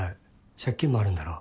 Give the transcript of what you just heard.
借金もあるんだろ？